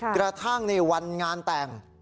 กระทั่งในวันงานแต่ง